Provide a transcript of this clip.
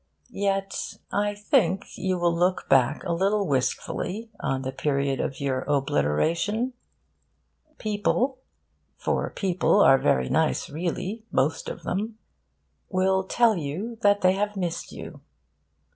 Yet I think you will look back a little wistfully on the period of your obliteration. People for people are very nice, really, most of them will tell you that they have missed you.